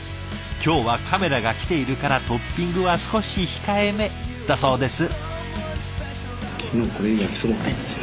今日はカメラが来ているからトッピングは少し控えめだそうです。